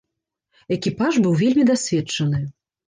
Экіпаж быў вельмі дасведчаны.